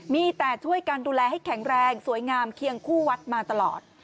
มีแต่ช่วยการดูแลให้แข็งแรงสวยงามเคียงคู่วัดมาตลอด